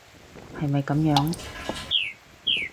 係咪噉樣？